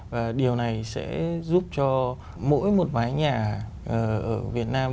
và điều này sẽ giúp cho mỗi một mái nhà ở việt nam